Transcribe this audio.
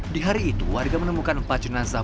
di hari itu warga menemukan empat jenazah